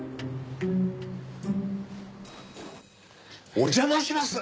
お邪魔します。